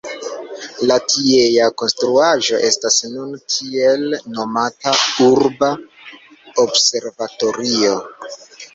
La tiea konstruaĵo estas nun tiel nomata Urba Observatorio.